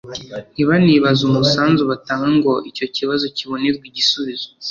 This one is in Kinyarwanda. ntibanibaze umusanzu batanga ngo icyo kibazo kibonerwe igisubizo,